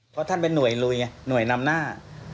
เพราะท่านเป็นหน่วยลุยหน่วยนำหน้า